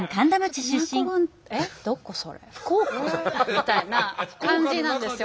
みたいな感じなんですよ。